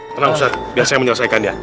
tenang ustad biar saya menyelesaikan dia